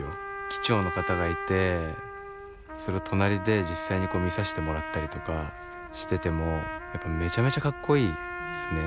機長の方がいてそれを隣で実際に見さしてもらったりとかしててもやっぱめちゃめちゃかっこいいですね。